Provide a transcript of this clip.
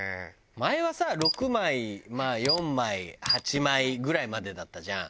前はさ６枚まあ４枚８枚ぐらいまでだったじゃん？